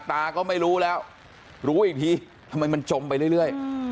ตาก็ไม่รู้แล้วรู้อีกทีทำไมมันจมไปเรื่อย